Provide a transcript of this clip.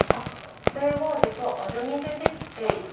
これは実はアルミでできていて。